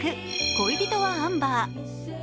「恋人はアンバー」。